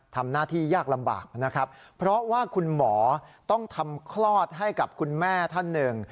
ทำหน้าที่ยากลำบากนะครับเพราะว่าคุณหมอต้องทำคลอดให้กับคุณแม่ท่านหนึ่ง